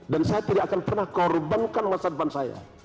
dan saya tidak akan pernah korbankan masa depan saya